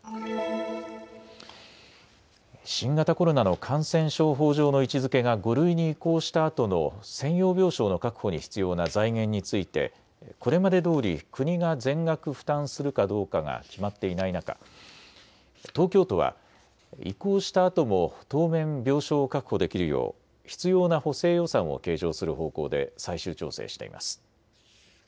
新型コロナの感染症法上の位置づけが５類に移行したあとの専用病床の確保に必要な財源についてこれまでどおり国が全額負担するかどうかが決まっていない中、東京都は移行したあとも当面、病床を確保できるよう必要な補正予算を計上する方向で最終調整しています。